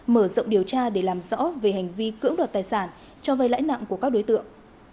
mở rộng điều tra để làm rõ về hành vi cưỡng đoạt tài sản cho vay lãi nặng của các đối tượng